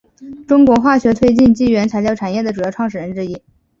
中国化学推进剂原材料产业的主要创始人之一。